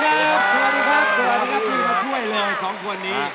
คุณมาช่วยเลย๒คนนี้